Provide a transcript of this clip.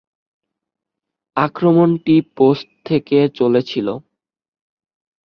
আক্রমণটি পোস্ট থেকে চলেছিল।